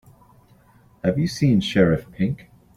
Have you seen Sheriff Pink?